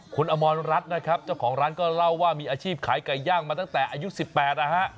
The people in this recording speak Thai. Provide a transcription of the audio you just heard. คุณอมรรัฐนะครับเจ้าของร้านก็เล่าว่ามีอาชีพขายไก่ย่างมาตั้งแต่อายุ๑๘นะฮะ